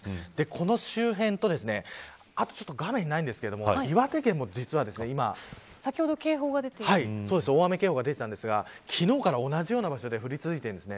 この周辺とあと、画面にないんですけど岩手県も今、実は大雨警報が出ていたんですが昨日から同じような場所で降り続いているんです。